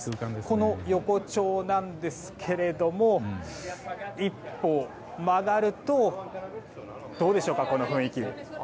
この横丁なんですが一歩曲がるとどうでしょうか、この雰囲気。